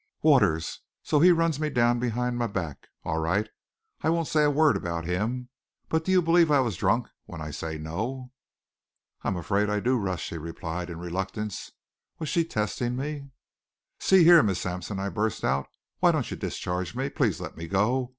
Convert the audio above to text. "Waters! So he runs me down behind my back. All right, I won't say a word about him. But do you believe I was drunk when I say no?" "I'm afraid I do, Russ," she replied in reluctance. Was she testing me? "See here, Miss Sampson," I burst out. "Why don't you discharge me? Please let me go.